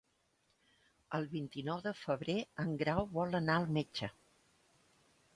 El vint-i-nou de febrer en Grau vol anar al metge.